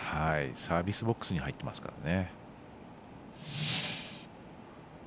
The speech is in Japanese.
サービスボックスに入ってますからね。